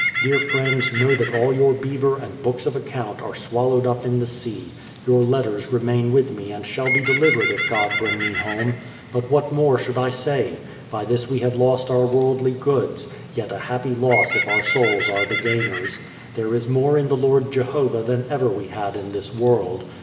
... Dear friends, know that all your beaver and books of account are swallowed up in the sea; your letters remain with me and shall be delivered if God bring me home. But what more should I say? By this we have lost our worldly goods — yet a happy loss if our souls are the gainers. There is more in the Lord Jehovah than ever we had in this world.